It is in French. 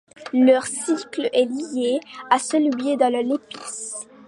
Leur cycle est lié à celui de l'épice.